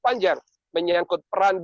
panjang menyangkut peran